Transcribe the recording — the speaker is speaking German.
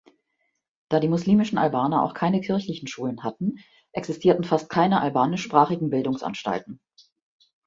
Da die muslimischen Albaner auch keine kirchlichen Schulen hatten, existierten fast keine albanischsprachigen Bildungsanstalten.